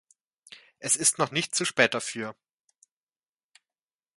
Es ist noch nicht zu spät dafür.